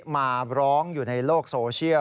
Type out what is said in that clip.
มาร้องอยู่ในโลกโซเชียล